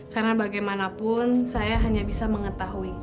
karena bagaimanapun saya hanya bisa mengetahui